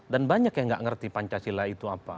dan banyak yang gak ngerti pancasila itu apa